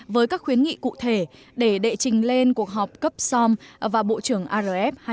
với các khuyến nghị cụ thể để đệ trình lên cuộc họp cấp som và bộ trưởng arf hai nghìn hai mươi